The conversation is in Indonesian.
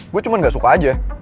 gue cuma gak suka aja